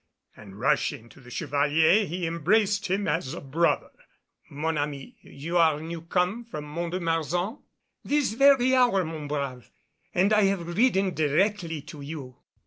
And rushing to the Chevalier he embraced him as a brother. "Mon ami, you are new come from Mont de Marsan?" "This very hour, mon brave, and I have ridden directly to you."